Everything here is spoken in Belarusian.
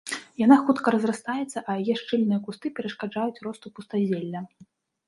Яна хутка разрастаецца, а яе шчыльныя кусты перашкаджаюць росту пустазелля.